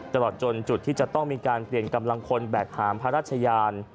ตลอดจนจุดที่จะต้องมีการเปลี่ยนกำลังคนแบกหามพระราชยาน